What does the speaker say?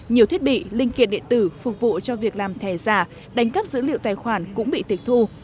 nhiều thiết bị linh kiện điện tử phục vụ cho việc làm thẻ giả đánh cắp dữ liệu tài khoản cũng bị tịch thu